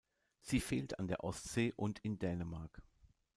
Sie fehlt an der Ostsee und in Dänemark.